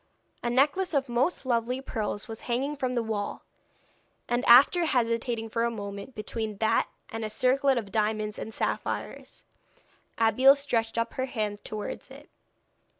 A necklace of most lovely pearls was hanging from the wall, and after hesitating for a moment between that and a circlet of diamonds and sapphires, Abeille stretched up her hand towards it.